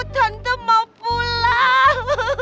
tante mau pulang